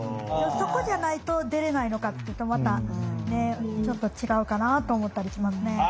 そこじゃないと出れないのかっていうとまたちょっと違うかなと思ったりしますね。